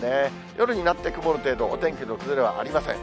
夜になって曇る程度、お天気の崩れはありません。